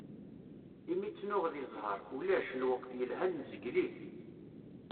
Imi tt-nuɣ di ẓẓher, ulac ; lweqt yelhan nezgel-it.